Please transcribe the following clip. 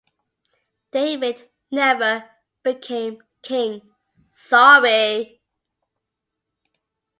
David never became king.